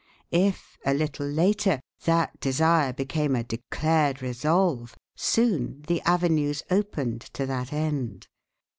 If, a little later, that desire became a declared resolve, soon the avenues opened to that end.